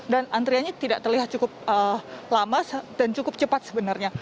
dan antriannya tidak terlihat cukup lama dan cukup cepat sebenarnya